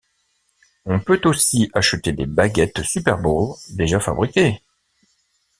On peut aussi acheter des baguettes superball déjà fabriquées.